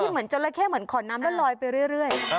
เหมือนจราเข้เหมือนขอนน้ำแล้วลอยไปเรื่อย